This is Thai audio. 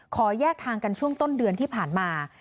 แยกทางกันช่วงต้นเดือนที่ผ่านมา